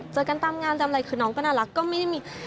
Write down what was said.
เจอกันตามงานตามอะไรคือน้องก็น่ารักก็ไม่ได้มี